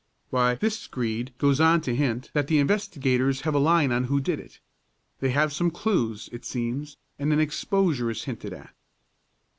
"Why this screed goes on to hint that the investigators have a line on who did it. They have some clews, it seems, and an exposure is hinted at."